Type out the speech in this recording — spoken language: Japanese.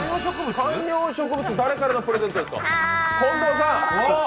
観葉植物、誰からのプレゼントですか。